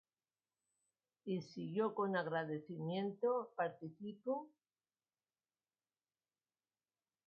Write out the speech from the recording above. Y si yo con agradecimiento participo,